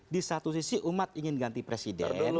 di satu sisi umat ingin ganti presiden